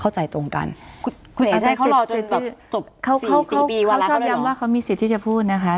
เขาชอบยังว่าเขามีสิทธย์ที่จะพูดนะคะ